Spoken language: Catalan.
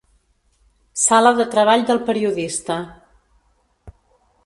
Sala de treball del periodista.